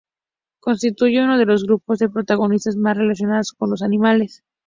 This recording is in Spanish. Constituyen uno de los grupos de protistas más relacionados con los animales.